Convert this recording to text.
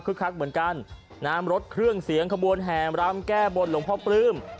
คือคักเหมือนกันน้ำรถเครื่องเสียงขบวนแห่มรำแก้บนหลวงพ่อปลื้ม